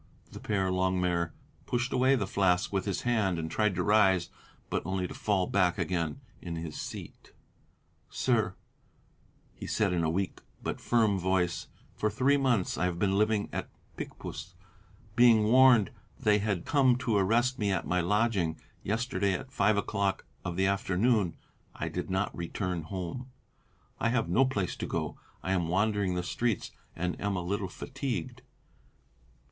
The Père Longuemare pushed away the flask with his hand and tried to rise, but only to fall back again in his seat. "Sir," he said in a weak but firm voice, "for three months I have been living at Picpus. Being warned they had come to arrest me at my lodging, yesterday at five o'clock of the afternoon, I did not return home. I have no place to go to; I am wandering the streets and am a little fatigued."